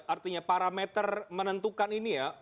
artinya parameter menentukan ini ya